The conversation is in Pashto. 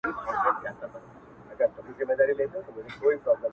داسي زور نه وو چي نه یې وي منلي-